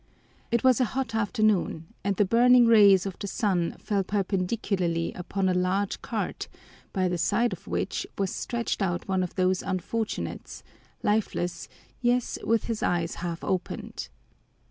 It was a hot afternoon, and the burning rays of the sun fell perpendicularly upon a large cart by the side of which was stretched out one of those unfortunates, lifeless, yet with his eyes half opened.